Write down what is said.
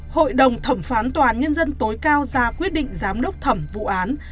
hội đồng thẩm phán toán nhân dân tối cao ra quyết định giám đốc thẩm vụ án